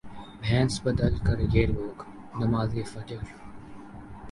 بھیس بدل کریہ لوگ نماز فجر